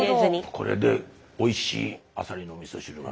これでおいしいアサリのみそ汁が。